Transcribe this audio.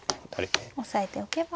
押さえておけば。